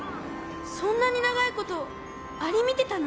そんなにながいことアリみてたの？